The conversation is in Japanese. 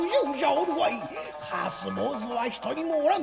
カス坊主は一人もおらん。